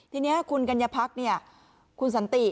ทีนี้คุณกัญญาพักคุณสันติ